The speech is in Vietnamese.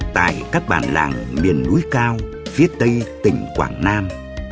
tại các bản làng miền núi cao phía tây tỉnh quảng nam